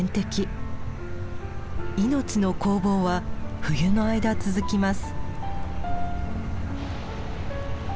命の攻防は冬の間続きます。